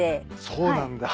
そうなんだ。